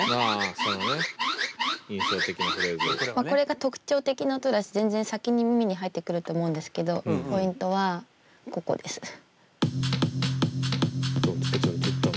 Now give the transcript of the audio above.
これが特徴的な音だし全然先に耳に入ってくると思うんですけどポイントはここです。